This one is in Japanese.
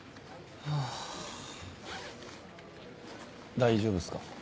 大丈夫っすか？